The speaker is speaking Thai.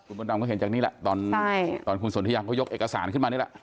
มดดำก็เห็นจากนี่แหละตอนคุณสนทิยังเขายกเอกสารขึ้นมานี่แหละ